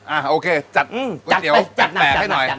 โอเคจัดก๋วยเตี๋ยวแปลกให้หน่อย